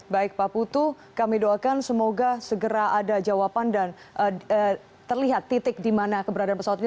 baik pak putu kami doakan semoga segera ada jawaban dan terlihat titik di mana keberadaan pesawat ini